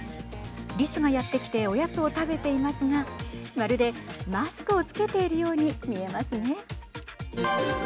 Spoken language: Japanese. りすがやって来ておやつを食べていますがまるで、マスクを着けているように見えますね。